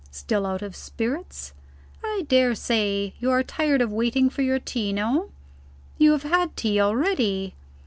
"Still out of spirits? I dare say you are tired of waiting for your tea. No? You have had tea already?